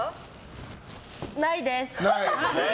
ないです。